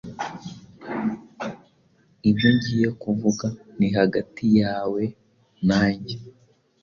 Ibyo ngiye kuvuga ni hagati yawe nanjye.